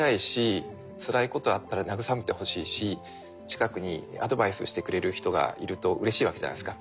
ことあったら慰めてほしいし近くにアドバイスしてくれる人がいるとうれしいわけじゃないですか。